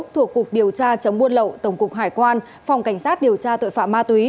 thuộc cục điều tra chống buôn lậu tổng cục hải quan phòng cảnh sát điều tra tội phạm ma túy